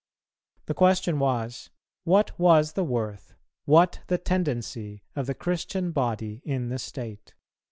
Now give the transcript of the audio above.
The question was, What was the worth, what the tendency of the Christian body in the state?